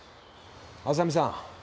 浅見さん。